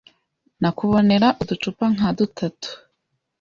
Nakubonera uducupa nka dutatu